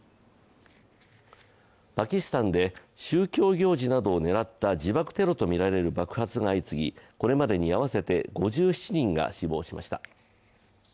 パキスタンで宗教行事などを狙った自爆テロとみられる爆発が相次ぎこれまでに合わせて５７人が死亡しました。